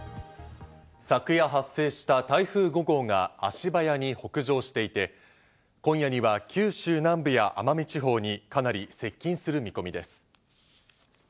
昨夜、発生した台風５号が足早に北上していて、今夜には九州南部や奄美地方にかなり接近する見込みです。